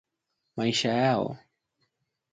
maisha yao